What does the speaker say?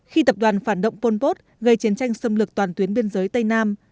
khi tập đoàn phản động pol pot gây chiến tranh xâm lược toàn tuyến biên giới tây nam